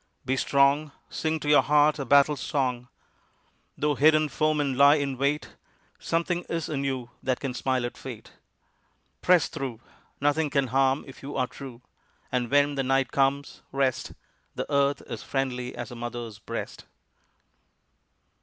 Be strong: Sing to your heart a battle song: Though hidden foemen lie in wait, Something is in you that can smile at Fate. Press through: Nothing can harm if you are true. And when the night comes, rest: The earth is friendly as a mother's breast.